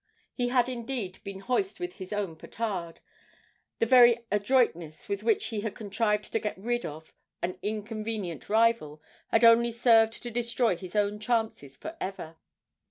He had indeed been hoist with his own petard; the very adroitness with which he had contrived to get rid of an inconvenient rival had only served to destroy his own chances for ever.